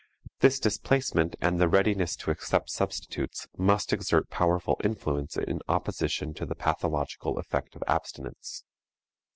This displacement and the readiness to accept substitutes must exert powerful influences in opposition to the pathological effect of abstinence.